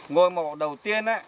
ngôi mộ đầu tiên